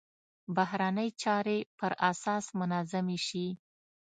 بهرنۍ چارې پر اساس منظمې شي.